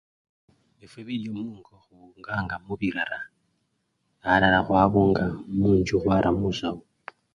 efwe bilyo mungo hubunganga mubirara alala hwabunga munjju hwara musawo